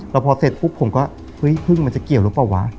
แล้วพอเสร็จปุ๊บผมก็เฮ้ยพึ่งมันจะเกี่ยวหรือเปล่าวะ